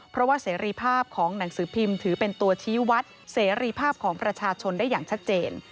เพราะว่าเสรีภาพของหนังสือพิมพ์ถือเป็นตัวชี้วัดเสรีภาพของประชาชนได้อย่างชัดเจน